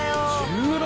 １６！？